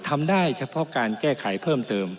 ทำได้เฉพาะการแก้ไขเพิ่มเติม